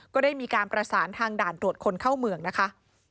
ก็ได้มีการประสานทางด่านตรวจคนเข้าเมืองนะคะ